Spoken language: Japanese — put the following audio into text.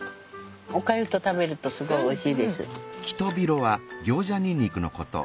お粥と食べるとすごいおいしいです。